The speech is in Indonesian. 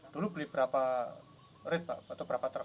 dulu beli berapa red pak